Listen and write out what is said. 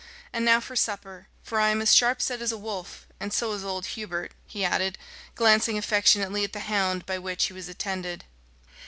"And now for supper, for I am as sharp set as a wolf; and so is old Hubert," he added, glancing affectionately at the hound by which he was attended.